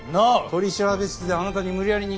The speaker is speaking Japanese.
取調室であなたに無理やり握らされ。